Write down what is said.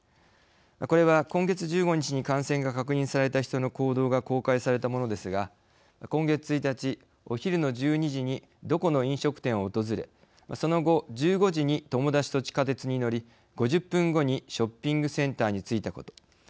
これは、今月１５日に感染が確認された人の行動が公開されたものですが今月１日、お昼の１２時にどこの飲食店を訪れ、その後１５時に友達と地下鉄に乗り５０分後にショッピングセンターに着いたこと。